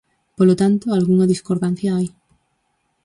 Polo tanto, algunha discordancia hai.